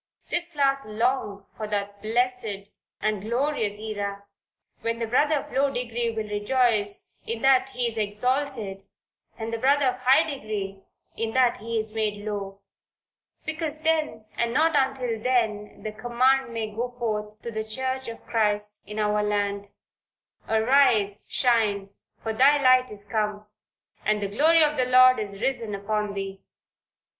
This class long for that blessed and glorious era, when the brother of low degree will rejoice in that he is exalted, and the brother of high degree in that he is made low; because then and not till then the command may go forth to the Church of Christ in our land "Arise, shine for thy light is come, and the glory of the Lord is risen upon thee."